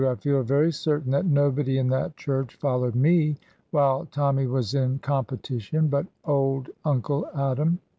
I feel very certain that nobody in that church followed me, while Tommy was in competition, but old Uncle Adam.